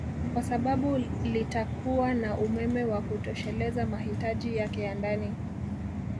kwa sababu litakuwa na umeme wa kutosheleza mahitaji yake ya ndani